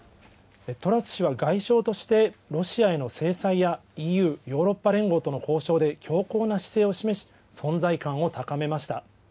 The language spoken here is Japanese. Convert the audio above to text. トラス氏は外相として、ロシアへの制裁やＥＵ・ヨーロッパ連合との交渉で強硬な姿勢を示し、存在感を高めました。